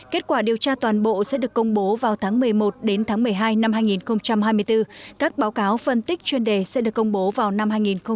kết quả điều tra toàn bộ sẽ được công bố vào tháng một mươi một đến tháng một mươi hai năm hai nghìn hai mươi bốn các báo cáo phân tích chuyên đề sẽ được công bố vào năm hai nghìn hai mươi